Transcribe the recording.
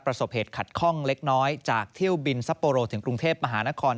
ประสบเหตุขัดข้องเล็กน้อยจากเที่ยวบินซัปโปโรถึงกรุงเทพมหานคร